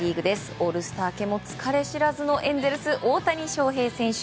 オールスター明けも疲れ知らずのエンゼルス、大谷翔平選手。